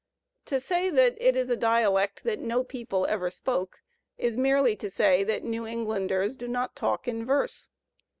To say that it is a dialect that no people ever spoke is merely to say that New Englanders do not talk in verse.